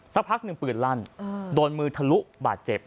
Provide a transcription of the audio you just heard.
สักพักหนึ่งปืนลั่นโดนมือทะลุบาดเจ็บ